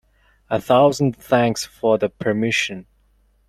A thousand thanks for the permission.